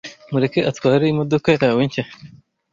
Mureke atware imodoka yawe nshya.